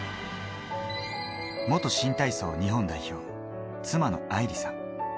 元新体操日本代表、妻の愛理さん。